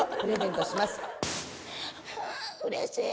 うれしい。